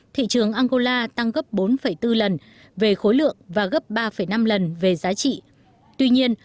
thị trường angola tăng gấp bốn bốn lần về khối lượng và gấp ba năm lần về giá trị tuy nhiên